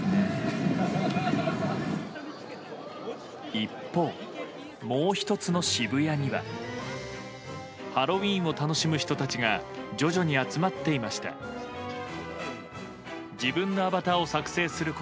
一方もう１つの渋谷にはハロウィーンを楽しむ人たちが徐々に集まっていました。